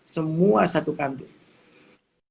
semua satu kantor